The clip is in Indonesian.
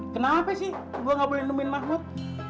kenapa sih gue gak boleh nemuin mahmud